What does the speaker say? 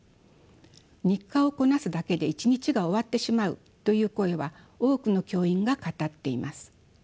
日課をこなすだけで一日が終わってしまうという声は多くの教員が語っています。